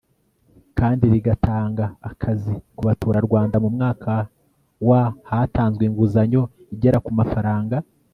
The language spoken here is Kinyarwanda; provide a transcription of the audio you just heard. kandi rigatanga akazi ku baturarwanda Mu mwaka wa hatanzwe inguzanyo igera ku mafaranga